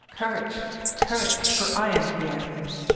courage I courage ! for I am here.